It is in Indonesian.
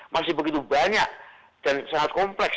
masih begitu banyak dan sangat kompleks